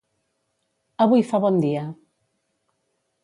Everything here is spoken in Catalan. Avui fa bon dia.